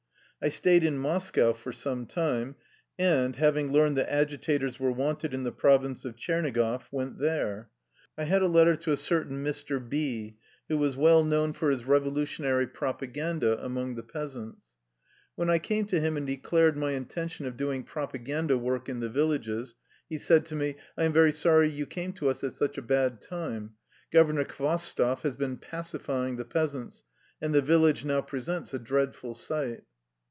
I stayed in Moscow for some time, and, having learned that agitators were wanted in the province of Tchernigoff, went there. I had a letter to a cer 131 THE LIFE STORY OF A RUSSIAN EXILE tain Mr. В , who was well known for bis revolutionary propaganda among the peasants. When I came to him and declared my inten tion of doing propaganda work in the villages, he said to me :" I am very sorry you came to us at such a bad time. Governor Khvostoff has been ' pacifying ' the peasants, and the village now presents a dreadful sight."